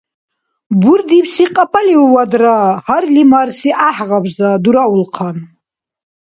Бурдибси кьапӀалиувадра гьарли-марси гӀяхӀгъабза дураулхъан.